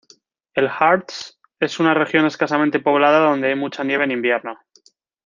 El Harz es una región escasamente poblada donde hay mucha nieve en invierno.